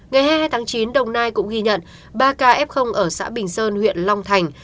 ngày hai mươi hai tháng chín đồng nai cũng ghi nhận ba ca f ở xã bình sơn huyện long thành